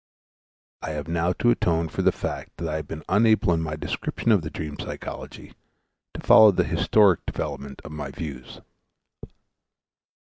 I have now to atone for the fact that I have been unable in my description of the dream psychology to follow the historic development of my views.